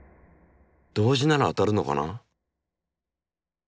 同時なら当たるのかな？